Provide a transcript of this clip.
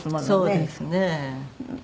そうですね。